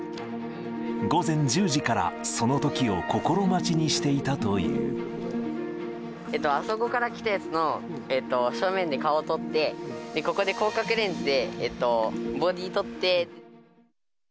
午前１０時からそのときを心待ちえっと、あそこから来たやつの正面で顔を撮って、ここで広角レンズでボディーを撮って。